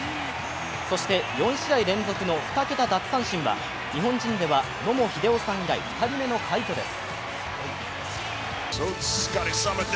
そして４試合連続の２桁奪三振は日本人では野茂英雄さん以来２人目の快挙です。